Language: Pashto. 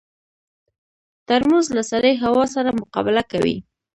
ترموز له سړې هوا سره مقابله کوي.